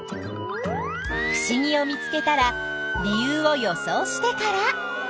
ふしぎを見つけたら理由を予想してから。